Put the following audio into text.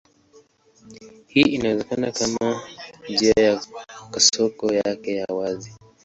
Hii inawezekana kama njia ya kasoko yake ni wazi.